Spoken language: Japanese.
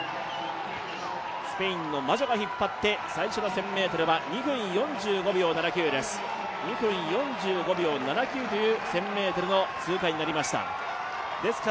スペインのマジョが引っ張って最初の１０００ｍは、２分４５秒７９という１０００ｍの通過になりました。